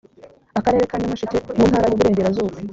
akarere ka nyamasheke mu ntara y iburengerazuba